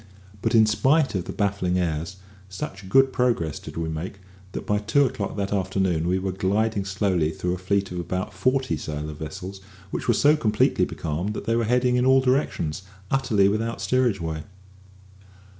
But, in spite of the baffling airs, such good progress did we make, that by two o'clock that afternoon we were gliding slowly through a fleet of about forty sail of vessels which were so completely becalmed that they were heading in all directions, utterly without steerage way.